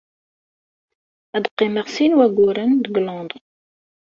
Ad qqimeɣ sin wayyuren deg Londres.